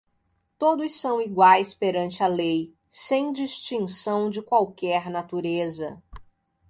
Todos são iguais perante a lei, sem distinção de qualquer natureza